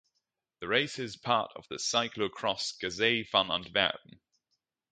The race is part of the Cyclo-cross Gazet van Antwerpen.